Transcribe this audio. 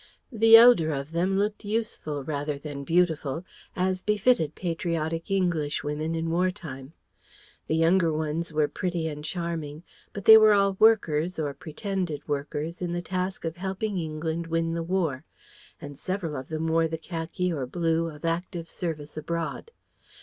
The elder of them looked useful rather than beautiful, as befitted patriotic Englishwomen in war time; the younger ones were pretty and charming, but they were all workers, or pretended workers, in the task of helping England win the war, and several of them wore the khaki or blue of active service abroad.